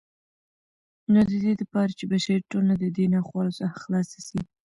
نو ددې دپاره چې بشري ټولنه ددې ناخوالو څخه خلاصه سي